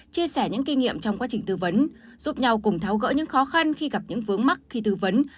chia sẻ những kinh nghiệm trong quá trình tư vấn giúp nhau cùng tháo gỡ những khó khăn khi gặp những vướng mắt khi tư vấn